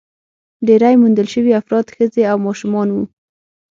ډېری موندل شوي افراد ښځې او ماشومان وو.